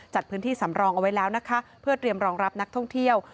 จัดพื้นที่สำรองเอาไว้แล้วนะคะเพื่อเตรียมรองรับนักท่องเที่ยว